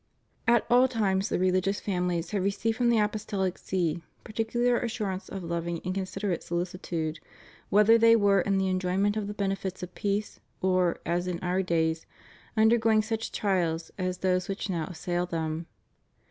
At all times the religious families have received from the Apostolic See particular assurance of loving and considerate solicitude, whether they were in the enjoy ment of the benefits of peace, or, as in our days, under going such trials as those which now assail them.